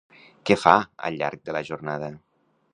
Què fa al llarg de la jornada?